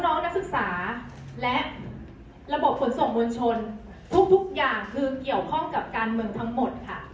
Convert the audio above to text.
นักศึกษาและระบบขนส่งมวลชนทุกอย่างคือเกี่ยวข้องกับการเมืองทั้งหมดค่ะ